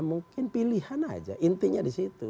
mungkin pilihan aja intinya di situ